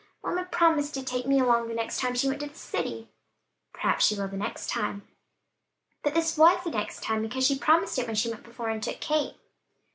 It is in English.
"Mamma promised to take me along the next time she went to the city." "Perhaps she will the next time." "But this was the next time, because she promised it when she went before and took Kate."